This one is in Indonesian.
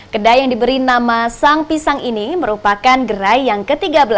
kedai yang diberi nama sang pisang ini merupakan gerai yang ke tiga belas